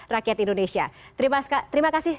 rakyat indonesia terima kasih